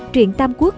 truyện tam quốc